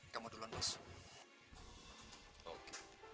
kamu duluan masuk